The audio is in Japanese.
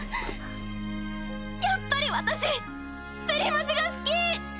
やっぱり私プリマジが好き！！